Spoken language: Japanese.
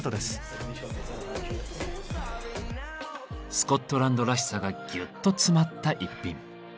スコットランドらしさがぎゅっと詰まった一品。